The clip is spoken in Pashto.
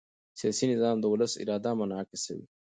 سیاسي نظام د ولس اراده منعکسوي